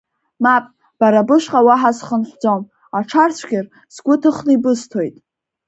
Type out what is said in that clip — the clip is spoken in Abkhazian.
Мап, бара бышҟа уаҳа схынҳәӡом, аҽарцәгьар, сгәы ҭыхны ибысҭоит!